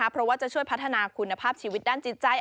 เพราะว่าจะช่วยพัฒนาคุณภาพชีวิตด้านจิตใจ